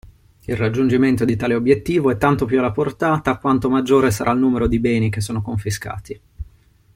Il raggiungimento di tale obiettivo è tanto più alla portata quanto maggiore sarà il numero di beni che sono confiscati.